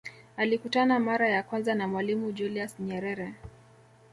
Alikutana mara ya kwanza na Mwalimu Julius Nyerere